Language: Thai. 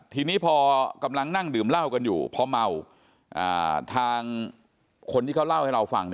ทีนี้พอกำลังนั่งดื่มเหล้ากันอยู่พอเมาทางคนที่เขาเล่าให้เราฟัง